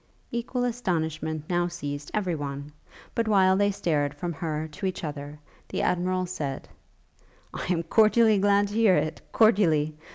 Equal astonishment now seized every one; but while they stared from her to each other, the Admiral said: 'I am cordially glad to hear it! cordially!